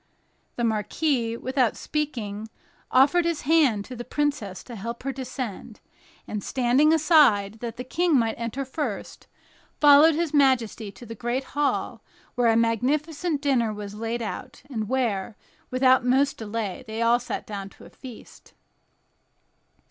The marquis, without speaking, offered his hand to the princess to help her to descend, and, standing aside that the King might enter first, followed his majesty to the great hall, where a magnificent dinner was laid out, and where, without more delays they all sat down to feast.